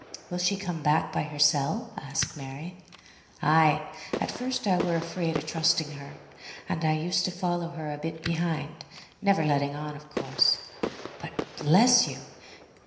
"Will she come back by hersel?" asked Mary. "Ay. At first I were afraid o' trusting her, and I used to follow her a bit behind; never letting on, of course. But, bless you!